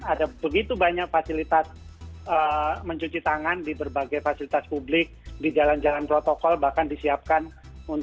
ada begitu banyak fasilitas mencuci tangan di berbagai fasilitas publik di jalan jalan protokol bahkan disiapkan untuk